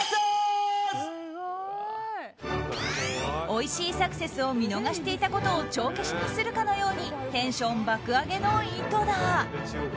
おいしいサクセスを見逃していたことを帳消しにするかのようにテンション爆上げの井戸田。